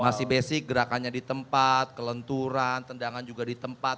masih basic gerakannya di tempat kelenturan tendangan juga di tempat